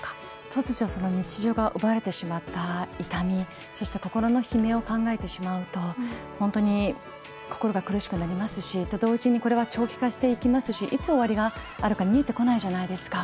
突如その日常が奪われてしまった痛みそして心の悲鳴を考えてしまうと本当に心が苦しくなりますしと同時にこれは長期化していきますしいつ終わりがあるか見えてこないじゃないですか。